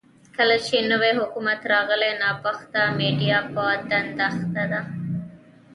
کله چې نوی حکومت راغلی، ناپخته میډيا په دنده اخته ده.